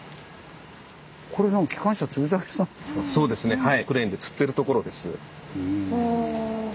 そうですねはい。